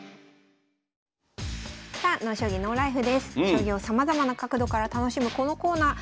将棋をさまざまな角度から楽しむこのコーナー。